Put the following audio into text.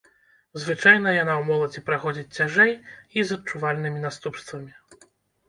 Звычайна яна ў моладзі праходзіць цяжэй і з адчувальнымі наступствамі.